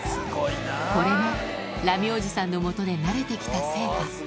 これもラミおじさんのもとでなれて来た成果